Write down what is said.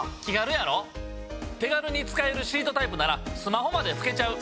手軽に使えるシートタイプならスマホまでふけちゃう。